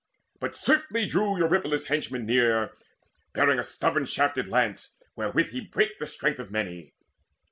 But swiftly drew Eurypylus' henchmen near Bearing a stubborn shafted lance, wherewith He brake the strength of many.